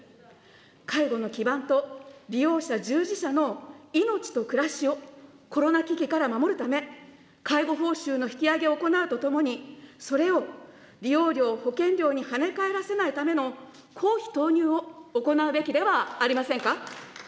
介護の基盤と利用者、従事者の命と暮らしをコロナ危機から守るため、介護報酬の引き上げを行うとともに、それを利用料、保険料にはね返らせないための公費投入を行うべきではありませんか。